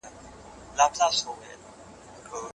د نرمغالي په مرستې سره مي خپلي کوڅې ولیدې.